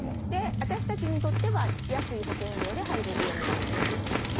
で、私たちにとっては安い保険料で入れるようになるんです。